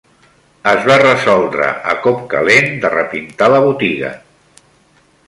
Es va resoldre a cop calent de repintar la botiga.